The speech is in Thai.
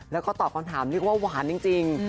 แล้วก็ตอบคำถามเรียกว่าหวานจริง